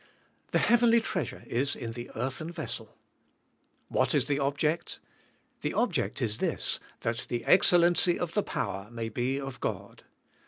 The heavenly treasure is in the earthen vessel. What is the ob ject? The object is this, that the excellency of the power may be of God.